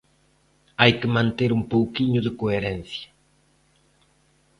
Hai que manter un pouquiño de coherencia.